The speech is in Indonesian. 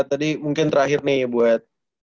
tadi mungkin terakhir nih buat